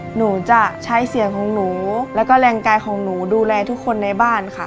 หนูจะใช้เสียงของหนูแล้วก็แรงกายของหนูดูแลทุกคนในบ้านค่ะ